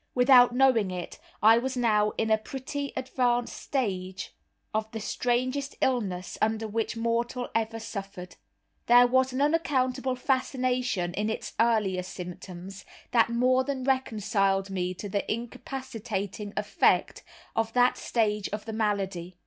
Without knowing it, I was now in a pretty advanced stage of the strangest illness under which mortal ever suffered. There was an unaccountable fascination in its earlier symptoms that more than reconciled me to the incapacitating effect of that stage of the malady.